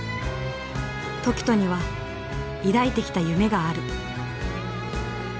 凱人には抱いてきた夢がある。